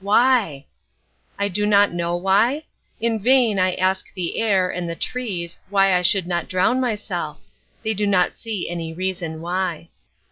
Why! I do not know why? In vain I ask the air and the trees why I should not drown myself? They do not see any reason why.